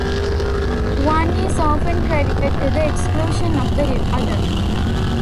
One is often credited to the exclusion of the other.